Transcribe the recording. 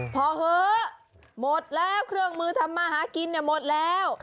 พอเหอะหมดแล้วเครื่องมือทำมาหากินหมดแล้ว